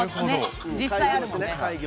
実際あるもんね。